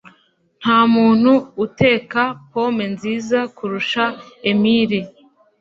Ntamuntu uteka pome nziza kurusha Emily.